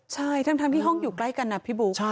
ใช่ทั้งที่ห้องอยู่ใกล้กันนะพี่บุ๊ค